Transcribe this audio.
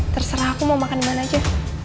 terserah aku mau makan dimana aja